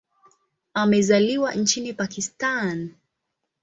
Amezaliwa nchini Pakistan.